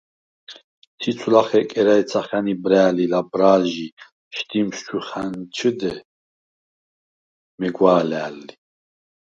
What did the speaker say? ციცვ ლახე კერა̄̈ჲცახა̈ნ იბრა̄̈ლ ი ლაბრა̄ლჟი შდიმს ჩუ ხა̈ნჩჷდე, მეგვა̄ლა̈ლ ლი.